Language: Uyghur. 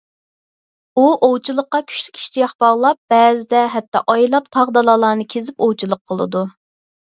ئۇ ئوۋچىلىققا كۈچلۈك ئىشتىياق باغلاپ، بەزىدە ھەتتا ئايلاپ تاغ-دالالارنى كېزىپ ئوۋچىلىق قىلىدۇ.